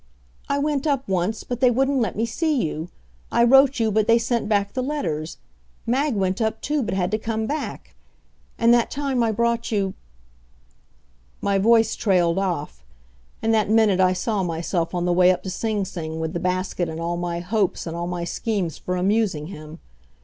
"I went up once, but they wouldn't let me see you. I wrote you, but they sent back the letters. Mag went up, too, but had to come back. And that time I brought you " My voice trailed off. In that minute I saw myself on the way up to Sing Sing with the basket and all my hopes and all my schemes for amusing him.